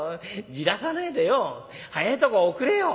じらさねえでよ早えとこおくれよ」。